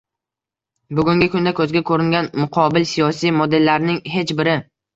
Bugungi kunda ko‘zga ko‘ringan muqobil siyosiy modellarning hech biri